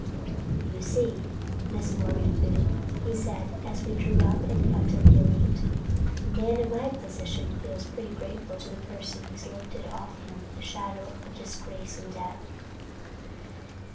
"You see, Miss Morganthau," he said as we drew up in front of the Elite, "a man in my position feels pretty grateful to the person who's lifted off him the shadow of disgrace and death."